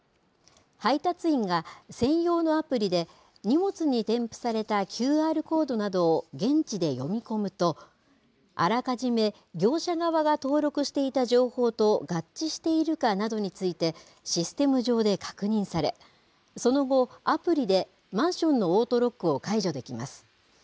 配達員が、専用のアプリで荷物に添付されたＱＲコードなどを、現地で読み込むと、あらかじめ業者側が登録していた情報と合致しているかなどについて、システム上で確認され、その後、アプリでマンションのオートロックを解除できます。